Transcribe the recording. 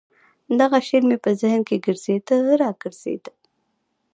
دغه شعر مې په ذهن کښې ګرځېده راګرځېده.